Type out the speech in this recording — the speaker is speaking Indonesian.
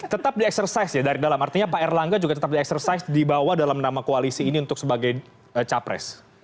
tetap di exercise ya dari dalam artinya pak erlangga juga tetap di exercise dibawa dalam nama koalisi ini untuk sebagai capres